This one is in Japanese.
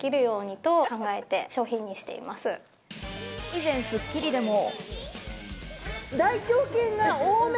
以前『スッキリ』でも。